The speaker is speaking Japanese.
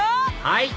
はい！